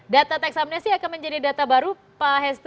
data teksamnya sih akan menjadi data baru pak hestu